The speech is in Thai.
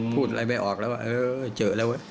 พูดอะไรไม่ออกแล้วว่าเออเจอแล้วเว้ย